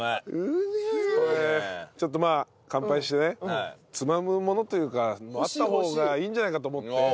ちょっとまあ乾杯してねつまむものというかあった方がいいんじゃないかと思って。